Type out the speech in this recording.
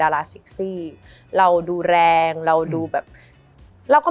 มันทำให้ชีวิตผู้มันไปไม่รอด